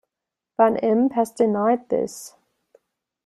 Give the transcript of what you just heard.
Van Impe has denied this.